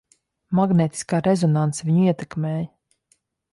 Magnētiskā rezonanse viņu ietekmēja.